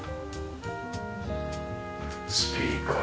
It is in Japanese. スピーカー。